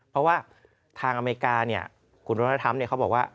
เพราะว่าทางอเมริกาเนี่ยคุณวัฒนธรรมเขาบอกว่า